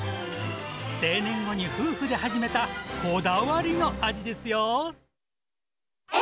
定年後に夫婦で始めたこだわりの味ですよ。